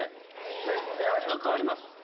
全然味が変わります。